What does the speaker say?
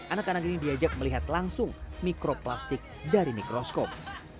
anak anak ini diajak melihat langsung mikroplastik dari mikroskop